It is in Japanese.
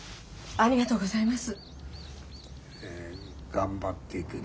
ありがとうございます。